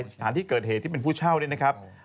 สถานที่เกิดเหตุที่เป็นผู้เช่าเนี่ยนะครับ